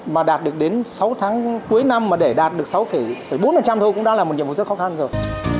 mà đạt được đến sáu tháng cuối năm mà để đạt được sáu bốn thôi cũng đã là một nhiệm vụ rất khó khăn rồi